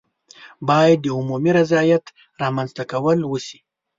باید د عمومي رضایت رامنځته کول وشي.